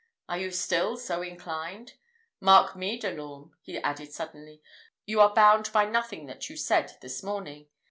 Are you still so inclined? Mark me, De l'Orme," he added suddenly, "you are bound by nothing that you said this morning.